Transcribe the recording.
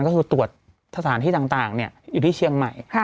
ก็คือตรวจสถานที่ต่างอยู่ที่เชียงใหม่